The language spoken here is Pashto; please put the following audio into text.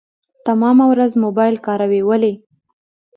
تمامه ورځ موبايل کاروي ولي .